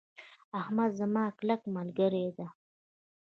احمد زما کلک ملګری ده.